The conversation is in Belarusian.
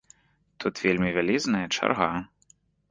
Тут вельмі вялізная чарга.